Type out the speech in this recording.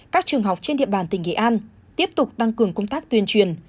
các trường học trên địa bàn tỉnh nghệ an tiếp tục tăng cường công tác tuyên truyền